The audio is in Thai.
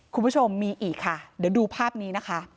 คุณผู้ชมมีอีกค่ะเดี๋ยวดูภาพนี้นะคะ